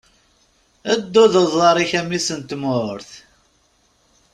Ddu d uḍar-ik a mmi-s n tmurt!